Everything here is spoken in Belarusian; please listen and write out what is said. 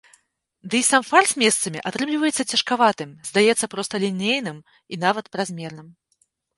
Дый сам фарс месцамі атрымліваецца цяжкаватым, здаецца просталінейным і нават празмерным.